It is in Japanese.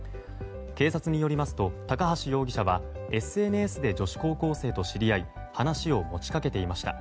警察によりますと高橋容疑者はＳＮＳで女子高校生と知り合い話を持ち掛けていました。